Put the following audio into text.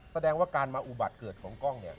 แสดงว่าการมาอุบัติเกิดของกล้องเนี่ย